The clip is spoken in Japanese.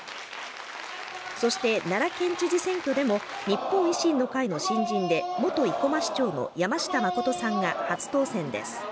そして奈良県知事選挙でも日本維新の会の新人で元生駒市長の山下真さんが初当選です。